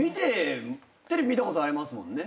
テレビ見たことありますもんね。